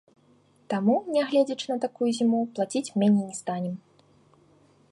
Таму, нягледзячы на такую зіму, плаціць меней не станем.